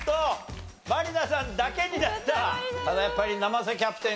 ただやっぱり生瀬キャプテン